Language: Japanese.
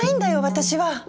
私は。